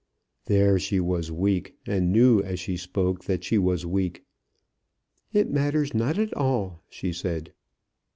There she was weak, and knew as she spoke that she was weak. "It matters not at all," she said.